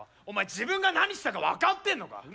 お前自分が何したか分かってんのか？